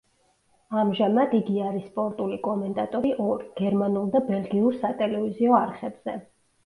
ამჟამად იგი არის სპორტული კომენტატორი ორ, გერმანულ და ბელგიურ სატელევიზიო არხებზე.